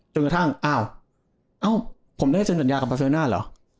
กระทั่งอ้าวเอ้าผมได้เซ็นสัญญากับบาเซอร์น่าเหรอ